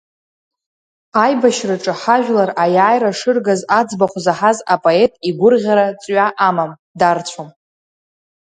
Аибашьраҿы ҳажәлар аиааира шыргаз аӡбахә заҳаз апоет игәырӷьара ҵҩа амам, дарцәом.